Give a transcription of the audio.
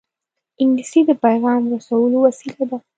انګلیسي د پېغام رسولو وسیله ده